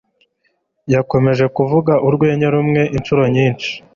Yakomeje kuvuga urwenya rumwe inshuro nyinshi.